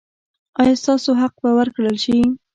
ایا ستاسو حق به ورکړل شي؟